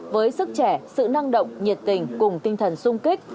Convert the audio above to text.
với sức trẻ sự năng động nhiệt tình cùng tinh thần sung kích